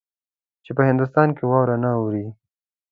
چې په هندوستان کې واوره نه اوري.